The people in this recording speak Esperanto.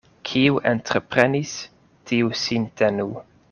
Kiu entreprenis, tiu sin tenu.